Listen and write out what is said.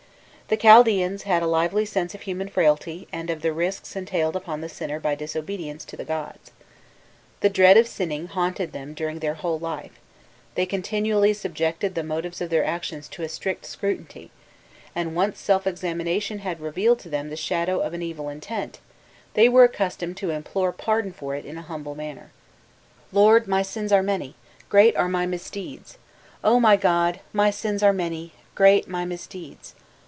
The Chaldeans had a lively sense of human frailty, and of the risks entailed upon the sinner by disobedience to the gods. The dread of sinning haunted them during their whole life; they continually subjected the motives of their actions to a strict scrutiny, and once self examination had revealed to them the shadow of an evil intent, they were accustomed to implore pardon for it in a humble manner. "Lord, my sins are many, great are my misdeeds! O my god, my sins are many, great my misdeeds!